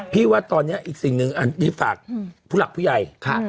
ว่าตอนนี้อีกสิ่งหนึ่งอันนี้ฝากผู้หลักผู้ใหญ่